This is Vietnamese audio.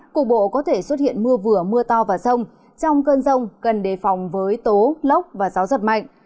cục bộ có thể xuất hiện mưa vừa mưa to và rông trong cơn rông cần đề phòng với tố lốc và gió giật mạnh